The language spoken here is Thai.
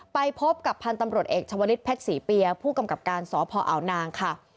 ไปพบกับพันธุ์ตำรวจเอกชาวลิศเพชรศรีเปียผู้กำกับการสพอาวนางค่ะ